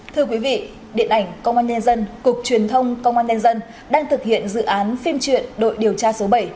thưa quý vị điện ảnh công an nhân dân cục truyền thông công an nhân dân đang thực hiện dự án phim truyện đội điều tra số bảy